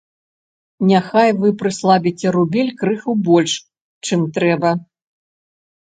Няхай вы прыслабіце рубель крыху больш, чым трэба.